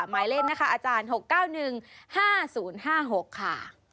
หมายเลขนะคะอาจารย์๖๙๑๕๐๕๖ค่ะ